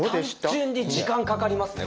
単純に時間かかりますね